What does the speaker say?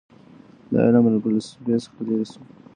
دا علم له فلسفې څخه لیرې سو.